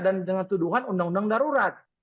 dengan tuduhan undang undang darurat